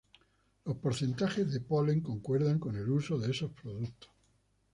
Los porcentajes de polen concuerdan con el uso de esos productos.